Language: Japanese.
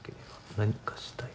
「何かしたい」